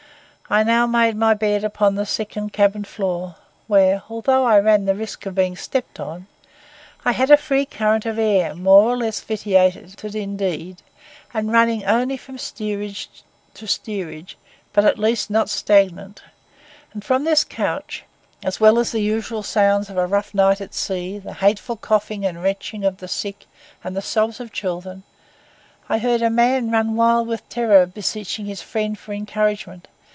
I now made my bed upon the second cabin floor, where, although I ran the risk of being stepped upon, I had a free current of air, more or less vitiated indeed, and running only from steerage to steerage, but at least not stagnant; and from this couch, as well as the usual sounds of a rough night at sea, the hateful coughing and retching of the sick and the sobs of children, I heard a man run wild with terror beseeching his friend for encouragement.